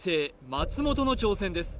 松本の挑戦です